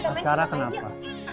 mas kara kenapa